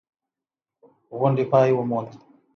غونډې پای وموند.